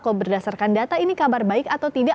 kalau berdasarkan data ini kabar baik atau tidak